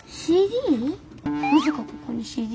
なぜかここにＣＤ。